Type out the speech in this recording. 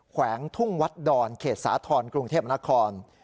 แขวงทุ่งวัดดอนเขตสาธรณ์กรุงเทพนคร